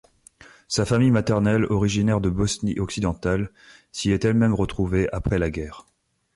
Sa famille maternelle, originaire de Bosnie occidentale, s'y est elle-même retrouvée après la guerre.